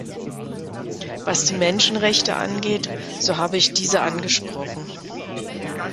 Was die Menschenrechte angeht, so habe ich diese angesprochen.